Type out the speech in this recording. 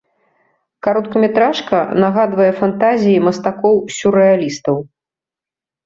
Кароткаметражка нагадвае фантазіі мастакоў-сюррэалістаў.